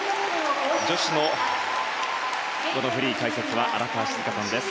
女子のフリー解説は荒川静香さんです。